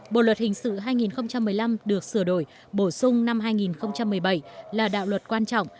bộ luật hình sự hai nghìn một mươi năm được sửa đổi bổ sung năm hai nghìn một mươi bảy là đạo luật quan trọng